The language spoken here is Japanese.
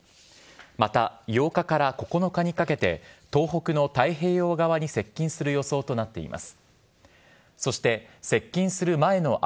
また８日から９日にかけて、東北の太平洋側に接近する予想となっています。